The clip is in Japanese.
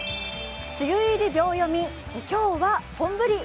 梅雨入り秒読み、今日は本降り。